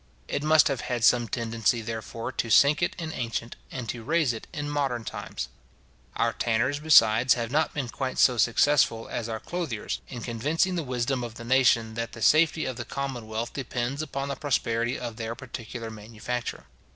It must have had some tendency, therefore, to sink it in ancient, and to raise it in modern times. Our tanners, besides, have not been quite so successful as our clothiers, in convincing the wisdom of the nation, that the safety of the commonwealth depends upon the prosperity of their particular manufacture.